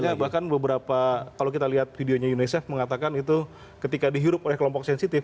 artinya bahkan beberapa kalau kita lihat videonya unicef mengatakan itu ketika dihirup oleh kelompok sensitif